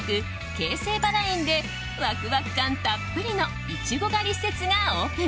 京成バラ園でワクワク感たっぷりのイチゴ狩り施設がオープン。